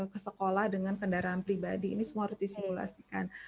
ke sekolah dengan kendaraan pribadi ini semua harus disimulasikan